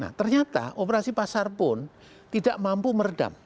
nah ternyata operasi pasar pun tidak mampu meredam